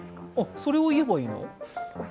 それを言えばいいの？